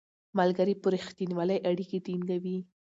ملګري په رښتینولۍ اړیکې ټینګوي